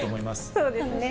そうですね。